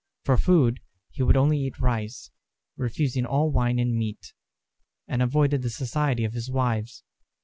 For food, he would only eat rice, refusing all wine and meat; and avoided the society of his wives.